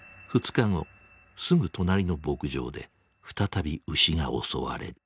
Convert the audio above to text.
２日後すぐ隣の牧場で再び牛が襲われる。